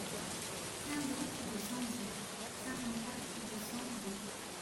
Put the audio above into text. quinze route de Sanzey, cinquante-quatre, deux cents, Boucq